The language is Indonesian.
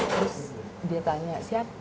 terus dia tanya siapa